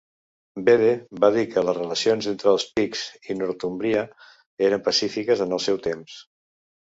Bede va dir que les relacions entre els Picts i Northumbria eren pacífiques en el seu temps.